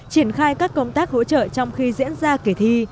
triển khai các công tác hỗ trợ trong khi diễn ra kỳ thi